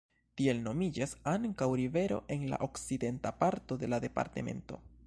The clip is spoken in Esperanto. Tiel nomiĝas ankaŭ rivero en la okcidenta parto de la departemento.